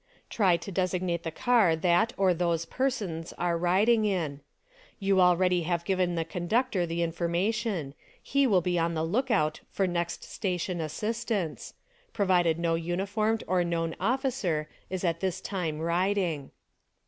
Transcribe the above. Try to designate the car that or those persons are riding in. You already have given the conductor the infor mation. He will be on the look out for next station assistance ... provided no uniformed or known officer is at this time riding.